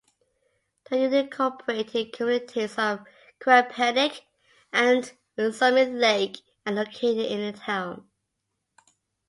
The unincorporated communities of Koepenick and Summit Lake are located in the town.